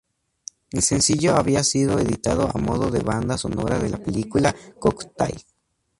El sencillo había sido editado a modo de banda sonora de la película "Cocktail".